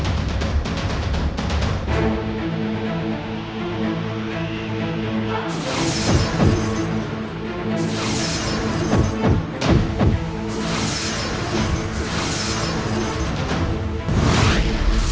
dia menggunakan ajaar